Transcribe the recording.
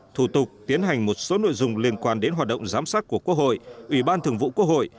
thủ tục tiến hành một số nội dung liên quan đến hoạt động giám sát của quốc hội ủy ban thường vụ quốc hội